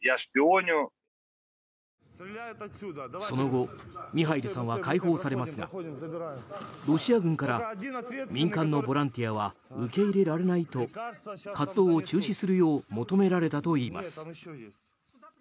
その後ミハイルさんは解放されますがロシア軍から民間のボランティアは受け入れられないと活動を中止するよう求められたといいます。